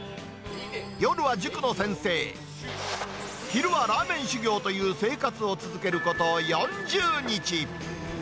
夜は塾の先生、昼はラーメン修業という生活を続けること４０日。